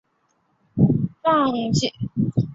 本列表根据建立日期进行排序。